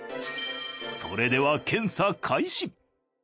それでは検査開始！